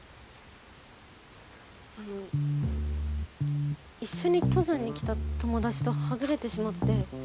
あの一緒に登山に来た友達とはぐれてしまって。